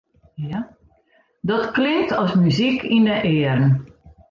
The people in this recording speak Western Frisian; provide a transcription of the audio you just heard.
Dat klinkt as muzyk yn 'e earen.